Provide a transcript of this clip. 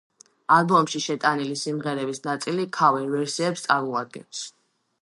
ალბომში შეტანილი სიმღერების ნაწილი ქავერ-ვერსიებს წარმოადგენს.